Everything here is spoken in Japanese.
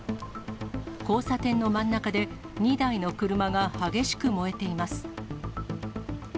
交差点の真ん中で、２台の車が激しく燃えています。